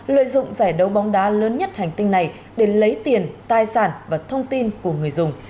lợi dụng giải đấu bóng đá lớn nhất hành tinh này để lấy tiền tài sản và thông tin của người dùng